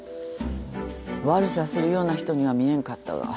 悪さするような人には見えんかったが。